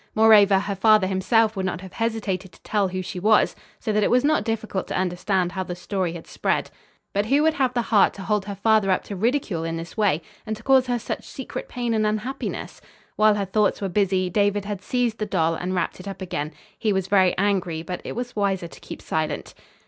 Moreover, her father himself would not have hesitated to tell who she was, so that it was not difficult to understand how the story had spread. But who would have the heart to hold her father up to ridicule in this way, and to cause her such secret pain and unhappiness? While her thoughts were busy, David had seized the doll and wrapped it up again. He was very angry, but it was wiser to keep silent.